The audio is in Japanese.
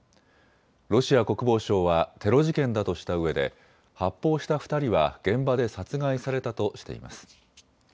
ロシア国防省はテロ事件だとしたうえで発砲した２人は現場で殺害されたとしています。